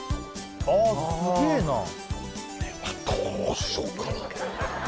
あっすげえなこれはどうしようかな？